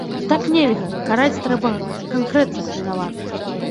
Так нельга, караць трэба канкрэтных вінаватых.